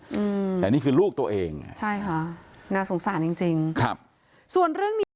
อืมแต่นี่คือลูกตัวเองอ่ะใช่ค่ะน่าสงสารจริงจริงครับส่วนเรื่องเนี้ย